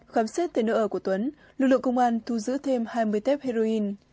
khám xét tên nợ của tuấn lực lượng công an thu giữ thêm hai mươi tép heroin